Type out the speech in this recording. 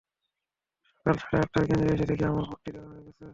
সকাল সাড়ে আটটায় কেন্দ্রে এসে দেখি, আমার ভোটটি দেওয়া হয়ে গেছে।